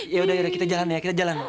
yaudah yaudah kita jalan ya kita jalan